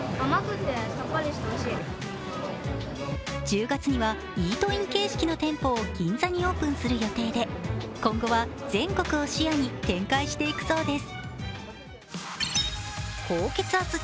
１０月にはイートイン形式の店舗を銀座にオープンする予定で今後は全国を視野に展開していくそうです。